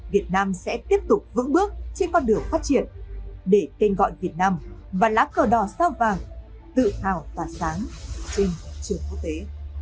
việt nam sẽ tiếp tục vững bước trên con đường phát triển để tên gọi việt nam và lá cờ đỏ sao vàng tự hào tỏa sáng trên trường quốc tế